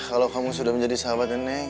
kalau kamu sudah menjadi sahabatnya neng